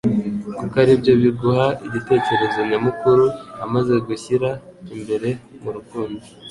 kuko aribyo biguha igitekerezo nyamukuru amaze gushyira imbere mu rukundo